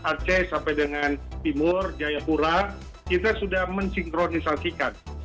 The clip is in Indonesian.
aceh sampai dengan timur jayapura kita sudah mensinkronisasikan